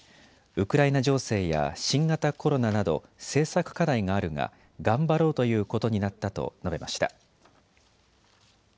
ウクライナ情勢や新型コロナなど政策課題があるが頑張ろうということになったと述べました。